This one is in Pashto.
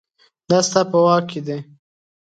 دا ستا په واک کې دي